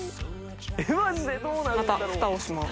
またふたをします。